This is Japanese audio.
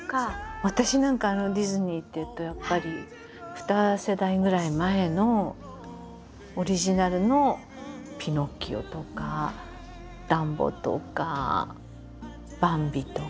私なんかディズニーっていうとやっぱり２世代ぐらい前のオリジナルの「ピノキオ」とか「ダンボ」とか「バンビ」とか。